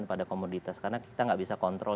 pada komunitas karena kita tidak bisa kontrol